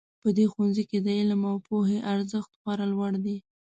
په دې ښوونځي کې د علم او پوهې ارزښت خورا لوړ ده